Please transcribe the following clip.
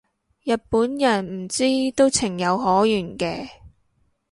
日本人唔知都情有可原嘅